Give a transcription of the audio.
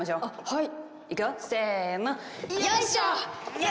はい！